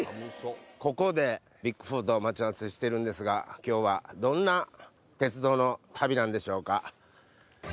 ここでＢＩＧ４と待ち合わせしてるんですが、きょうはどんな鉄道の旅なんでしょうか。